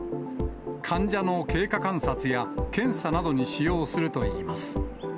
患者の経過観察や検査などに使用するといいます。